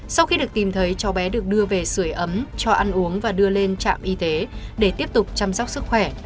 sau khi được tìm thấy cháu bé được đưa về sửa ấm cho ăn uống và đưa lên trạm y tế để tiếp tục chăm sóc sức khỏe